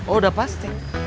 oh sudah pasti